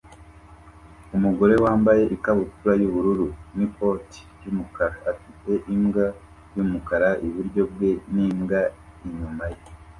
Umugore wambaye ikabutura y'ubururu n'ikoti ry'umukara afite imbwa y'umukara iburyo bwe n'imbwa inyuma ye